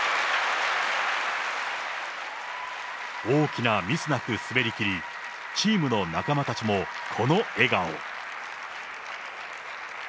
大きなミスなく滑りきり、チームの仲間たちもこの笑顔。